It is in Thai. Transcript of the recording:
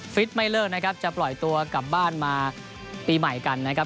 ฟิตไม่เลิกนะครับจะปล่อยตัวกลับบ้านมาปีใหม่กันนะครับ